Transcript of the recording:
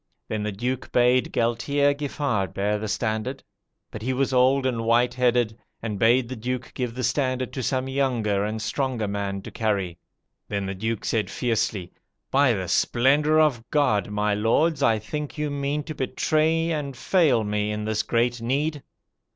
Then the Duke bade Galtier Giffart bear the standard. But he was old and white headed, and bade the Duke give the standard to some younger and stronger man to carry. Then the Duke said fiercely, 'By the splendour of God, my lords, I think you mean to betray and fail me in this great need.'